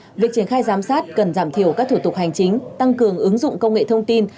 để giám sát việc triển khai giám sát cần giảm thiểu các thủ tục hành chính tăng cường ứng dụng công nghệ thông tin